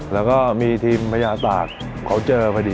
แล้วก็มีทีมพญาตากเขาเจอพอดี